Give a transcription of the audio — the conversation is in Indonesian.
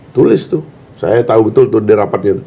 tulis tuh saya tahu betul tuh dia rapatnya